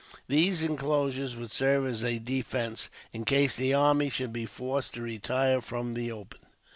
These inclosures would serve as a defence, in case the army should be forced to retire from the open.